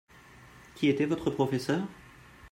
Qui était votre professeur ?